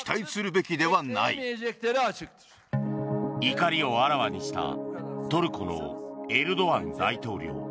怒りをあらわにしたトルコのエルドアン大統領。